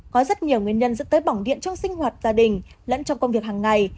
có rất nhiều nguyên nhân dẫn tới bỏng điện trong sinh hoạt gia đình lẫn trong công việc hàng ngày